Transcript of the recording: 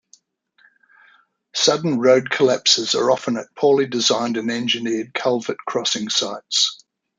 Sudden road collapses are often at poorly designed and engineered culvert crossing sites.